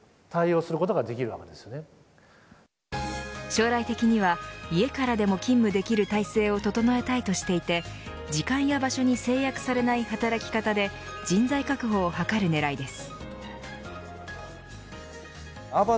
将来的には家からでも勤務できる体制を整えたいとしていて時間や場所に制約されない働き方で人材確保を計る狙いです。